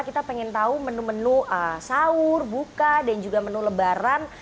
kita pengen tahu menu menu sahur buka dan juga menu lebaran